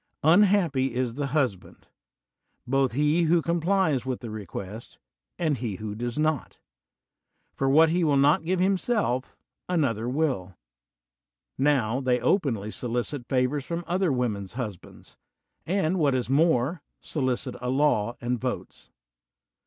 Unhappy is the husband, both he who com plies witii the request, and he who does not; for what he will not give himself, another will. Now they openly solicit favors from other wom en's husbands; and, what is more, solicit a law and votes.